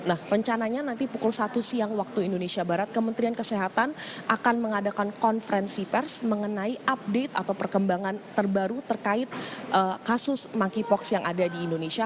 nah rencananya nanti pukul satu siang waktu indonesia barat kementerian kesehatan akan mengadakan konferensi pers mengenai update atau perkembangan terbaru terkait kasus monkeypox yang ada di indonesia